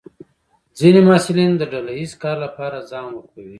ځینې محصلین د ډله ییز کار لپاره ځان وقفوي.